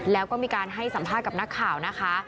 แล้วก็มีการให้สัมภาษณ์กับนักข่าวนะคะ